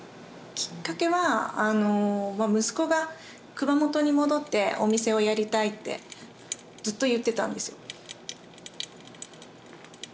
きっかけは息子が熊本に戻ってお店をやりたいってずっと言ってたんですよ。